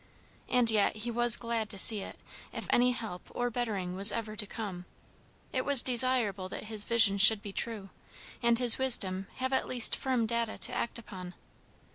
And yet he was glad to see it; if any help or bettering was ever to come, it was desirable that his vision should be true, and his wisdom have at least firm data to act upon.